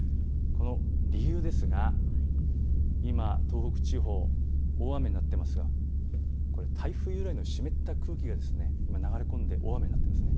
この理由ですが今、東北地方、大雨になっていますが台風由来の湿った空気が流れ込んで大雨になっているんです。